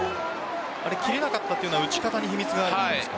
切れなかったというのは打ち方に秘密があるんですか？